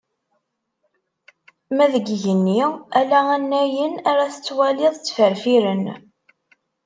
Ma deg yigenni, ala annayen ara tettwaliḍ ttferfiren.